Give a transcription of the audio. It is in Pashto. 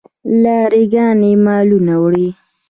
لاری ګانې مالونه وړي.